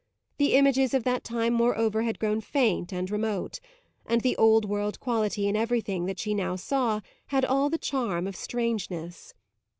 The images of that time moreover had grown faint and remote, and the old world quality in everything that she now saw had all the charm of strangeness.